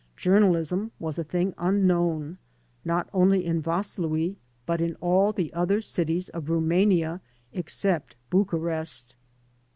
Journalism was a thing unknown, not only in Vaslui, but in all the other cities of Rumania except Bucharest.